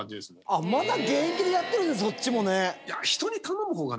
あっまだ現役でやってるそっちもね。